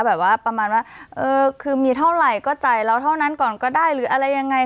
ประมาณว่าเออคือมีเท่าไหร่ก็จ่ายเราเท่านั้นก่อนก็ได้หรืออะไรยังไง